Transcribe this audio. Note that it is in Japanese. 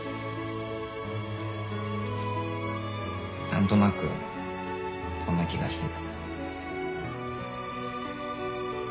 何となくそんな気がしてた。